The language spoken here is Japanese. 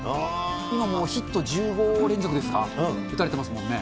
今もう、ヒット１５連続ですか、打たれてますもんね。